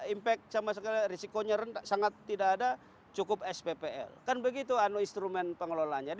impact sama sekali risikonya rendah sangat tidak ada cukup sppl kan begitu instrumen pengelolaannya